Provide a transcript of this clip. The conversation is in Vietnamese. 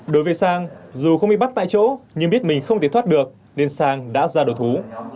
đối với sang dù không bị bắt tại chỗ nhưng biết mình không thể thoát được nên sang đã ra đổ thú